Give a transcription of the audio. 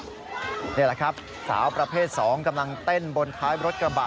นี่แหละครับสาวประเภท๒กำลังเต้นบนท้ายรถกระบะ